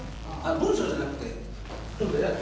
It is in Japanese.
文章じゃなくて。